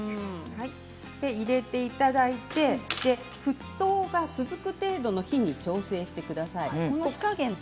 入れていただいて沸騰が続く程度の火に調整してください。